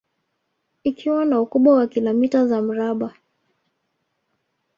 Ikiwa na ukubwa wa kilomita za mraba